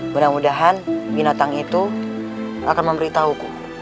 mudah mudahan binatang itu akan memberitahuku